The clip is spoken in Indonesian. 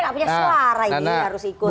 nggak punya suara ini harus ikut